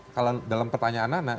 kalau dalam pertanyaan anak anak